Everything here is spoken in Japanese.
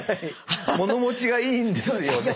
物持ちがいいんですよね。